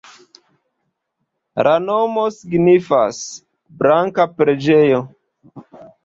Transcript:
La nomo signifas: "blanka preĝejo".